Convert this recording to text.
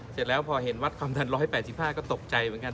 เสร็จแล้วพอเห็นวัดความดัน๑๘๕ก็ตกใจเหมือนกัน